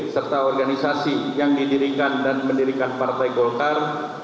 serta organisasi yang didirikan dan mendirikan partai golkar